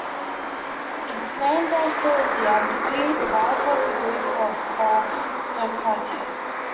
It is named after Xanthippe, the wife of the Greek philosopher Socrates.